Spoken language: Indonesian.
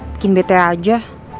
bikin bete aja